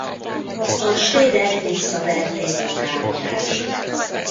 A svédek visszaverték a támadást.